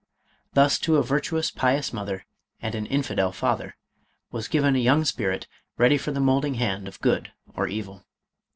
Thus to a virtuous, pious mother, and an infidel father was given a young spirit, ready for the moulding hand of good or evil.